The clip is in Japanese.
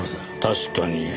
確かに。